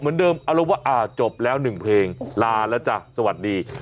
เหมือนเดิมเอาแล้วว่าอ่าจบแล้ว๑เพลงลาแล้วจ้ะสวัสดี